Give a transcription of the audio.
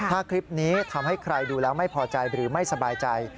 ถ้าคลิปนี้ทำให้ใครดูแล้วไม่พอใจหรือไม่สบายใจ